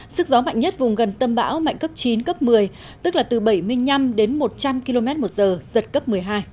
sức gió mạnh nhất vùng gần tâm bão mạnh cấp chín cấp một mươi tức là từ bảy mươi năm đến một trăm linh km một giờ giật cấp một mươi hai